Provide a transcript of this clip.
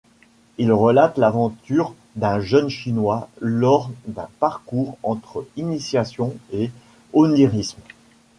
Il relate l'aventure d'un jeune chinois lors d'un parcours entre initiation et onirisme.